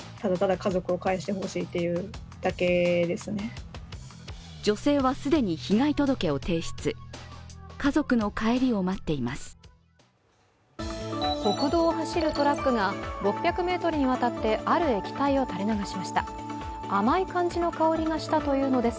家族の帰りを待っています。